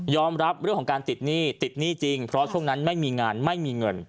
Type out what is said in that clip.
รับเรื่องของการติดหนี้ติดหนี้จริงเพราะช่วงนั้นไม่มีงานไม่มีเงิน